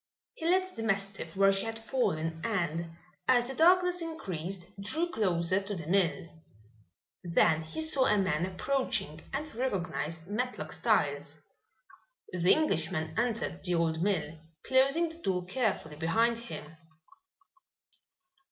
He left the mastiff where she had fallen and, as the darkness increased, drew closer to the mill. Then he saw a man approaching and recognized Matlock Styles. The Englishman entered the old mill, closing the door carefully behind him.